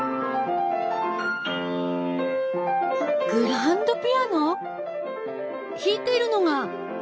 グランドピアノ⁉弾いているのがえっ